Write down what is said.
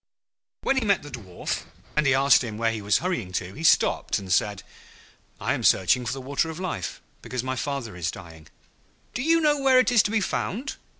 When he met the Dwarf, and he asked him where he was hurrying to, he stopped and said, 'I am searching for the Water of Life, because my father is dying.' 'Do you know where it is to be found?'